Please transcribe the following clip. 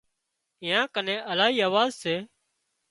ايئان ڪنين الاهي اوزار سي